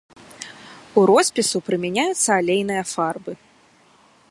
У роспісу прымяняюцца алейныя фарбы.